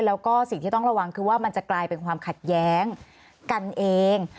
แล้วก็สิ่งที่ต้องระวังคือว่ามันจะกลายเป็นความขัดแย้งกันเอง